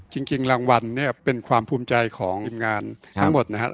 จริงรางวัลเนี่ยเป็นความภูมิใจของทีมงานทั้งหมดนะครับ